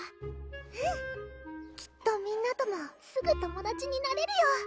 うんきっとみんなともすぐ友達になれるよ